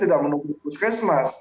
tidak menunggu puskesmas